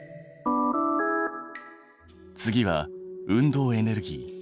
次は運動エネルギー。